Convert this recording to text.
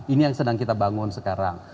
ini yang sedang kita bangun sekarang